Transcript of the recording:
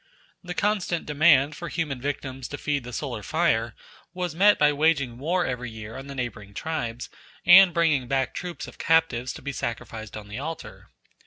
The constant demand for human victims to feed the solar fire was met by waging war every year on the neighbouring tribes and bringing back troops of captives to be sacrificed on the altar.